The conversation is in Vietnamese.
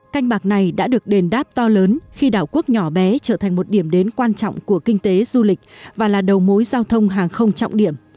canh bạc này đã được đền đáp to lớn khi đảo quốc nhỏ bé trở thành một điểm đến quan trọng của kinh tế du lịch và là đầu mối giao thông hàng không trọng điểm